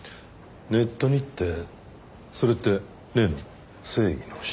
ネットにってそれって例の正義の使徒。